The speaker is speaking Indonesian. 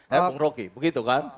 ya bung roki begitu kan